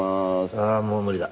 ああもう無理だ。